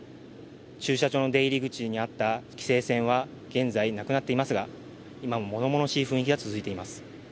駐車場の出入り口にあった規制線は現在なくなっていますが、今もものものしい雰囲気が続いています。